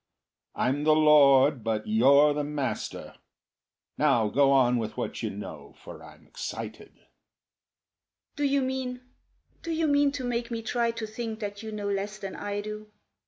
I'm the lord, but you're the master. Now go on with what you know, for I'm excited." "Do you mean Do you mean to make me try to think that you know less than I do?"